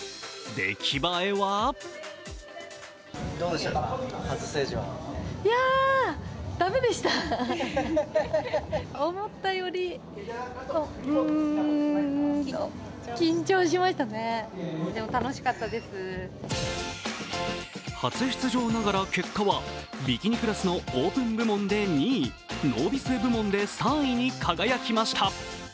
出来栄えは初出場ながら結果はビキニクラスのオープン部門で２位ノービス部門で３位に輝きました。